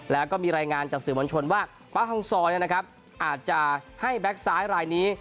แล้วก็มีรายงานจากสื่อมวัญชนว่าปลาฮังซอร์เนี่ยนะครับอาจจะให้แบ็กซ้ายรายนี้